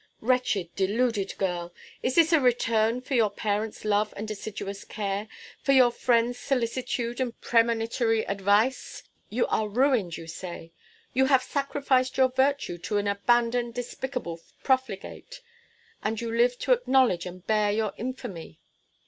Wretched, deluded girl! Is this a return for your parent's love and assiduous care; for your friends' solicitude and premonitory advice? You are ruined, you say! You have sacrificed your virtue to an abandoned, despicable profligate! And you live to acknowledge and bear your infamy!"